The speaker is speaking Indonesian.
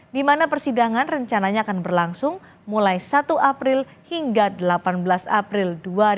di mana persidangan rencananya akan berlangsung mulai satu april hingga delapan belas april dua ribu dua puluh